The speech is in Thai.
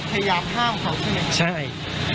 พยายามห้ามเขาใช่ไหมใช่